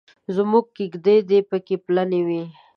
زموږ کېږدۍ دې پکې پلنې وي.